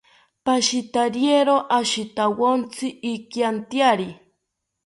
Pashitariero ashitawontzi ikiantyari